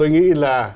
tôi nghĩ là